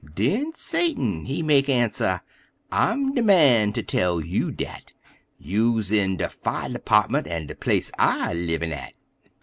Den Satan, he mek answer: "I'm de man ter tell you dat: You's in de fire department er de place I livin' at!"